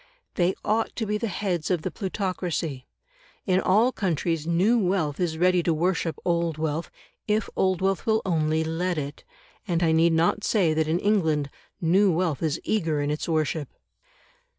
They ought to be the heads of the plutocracy. In all countries new wealth is ready to worship old wealth, if old wealth will only let it, and I need not say that in England new wealth is eager in its worship.